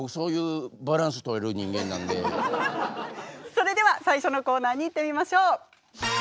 それでは最初のコーナーに行ってみましょう。